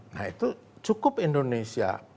nah itu cukup indonesia